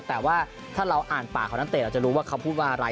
แต่ว่าถ้าเราอ่านปากของนักเตะเราจะรู้ว่าเขาพูดว่าอะไร